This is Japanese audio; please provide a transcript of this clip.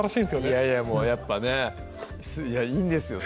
いやいやもうやっぱねいいんですよ